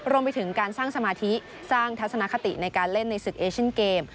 รวมไปถึงการสร้างสมาธิสร้างทัศนคติในการเล่นในศึกเอเชียนเกม